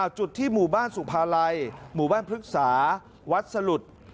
จุดที่หมู่บ้านสุภาลัยหมู่บ้านพฤกษาวัดสลุด